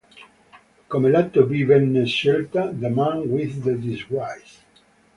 Come Lato B venne scelta "The Man with the Disguise".